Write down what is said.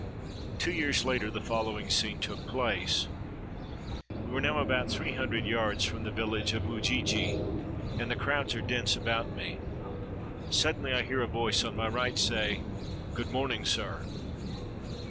Two years later, the following scene took place :— We were now about three hundred yards from the village of Ujiji, and the crowds are dense about me. Suddenly I hear a voice on my right say, — "Good morning, sir!"